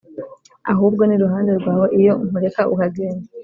ahubwo n’iruhande rwawe iyo nkureka ukagendaa